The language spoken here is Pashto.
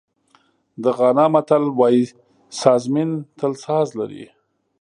د غانا متل وایي سازمېن تل ساز لري.